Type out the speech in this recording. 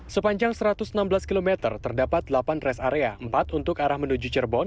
sepanjang satu ratus enam belas km terdapat delapan rest area empat untuk arah menuju cirebon